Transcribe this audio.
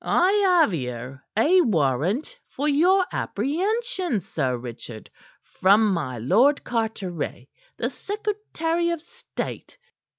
"I have here a warrant for your apprehension, Sir Richard, from my Lord Carteret, the secretary of state."